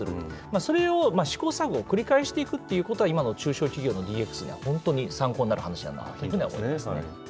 それを試行錯誤を繰り返していくということが、今の中小企業のＤＸには本当に参考になる話だなと思っています。